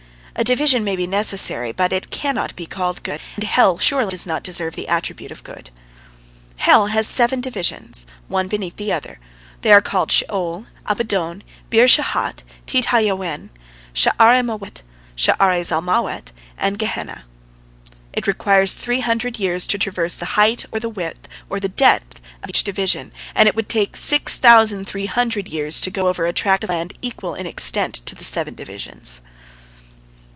A division may be necessary, but it cannot be called good, and hell surely does not deserve the attribute of good. Hell has seven divisions, one beneath the other. They are called Sheol, Abaddon, Beer Shahat, Tit ha Yawen, Sha'are Mawet, Sha'are Zalmawet: and Gehenna. It requires three hundred years to traverse the height, or the width, or the depth of each division, and it would take six thousand three hundred years to go over a tract of land equal in extent to the seven divisions.